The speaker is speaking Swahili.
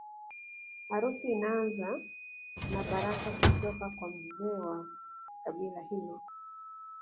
Harusi inaanza na baraka kutoka kwa mzee wa kabila hilo